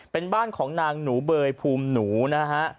เป็นบ้านของนางหนูเบยภูมิหนูนะฮะ